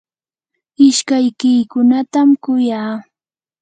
ishkaykiykunatam kuyaa.